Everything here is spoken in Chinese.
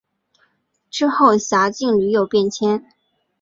之后辖境屡有变迁。